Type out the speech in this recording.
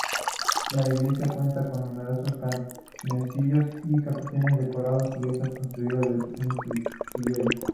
La iglesia cuenta con numerosos canecillos y capiteles decorados, y está construida en sillería.